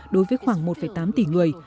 đối với khoảng một tám tỷ người